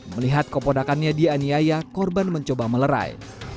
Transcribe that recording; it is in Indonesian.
melihat keponakannya di aniaya korban mencoba melerai